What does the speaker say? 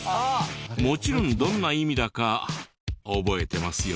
もちろんどんな意味だか覚えてますよね？